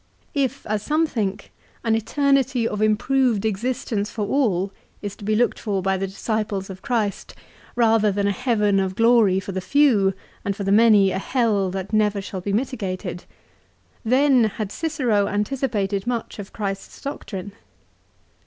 If, as some think, an eternity of improved existence for all is to be looked for by the disciples of Christ, rather than a heaven of glory for the few and for the many a hell that never shall be mitigated, then had Cicero anticipated much of Christ's doctrine.